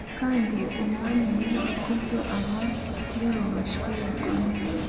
kandi umwami nyiri ikuzo aba yarubashywe bikomeye